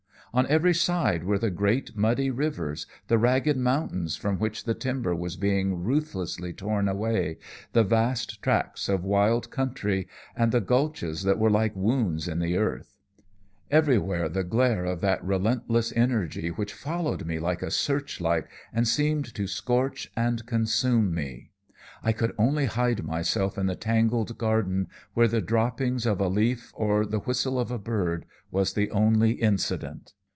On every side were the great muddy rivers, the ragged mountains from which the timber was being ruthlessly torn away, the vast tracts of wild country, and the gulches that were like wounds in the earth; everywhere the glare of that relentless energy which followed me like a searchlight and seemed to scorch and consume me. I could only hide myself in the tangled garden, where the dropping of a leaf or the whistle of a bird was the only incident.